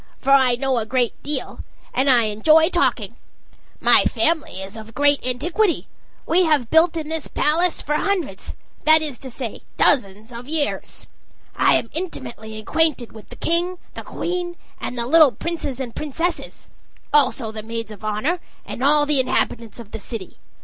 For I know a great deal; and I enjoy talking. My family is of great antiquity; we have built in this palace for hundreds that is to say, dozens of years. I am intimately acquainted with the king, the queen, and the little princes and princesses also the maids of honor, and all the inhabitants of the city.